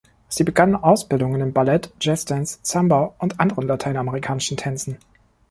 Sie begann Ausbildungen in Ballett, Jazz Dance, Samba und anderen lateinamerikanischen Tänzen.